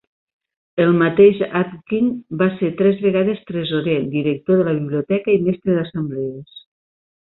El mateix Atkin va ser tres vegades tresorer, director de la biblioteca i mestre d'assemblees.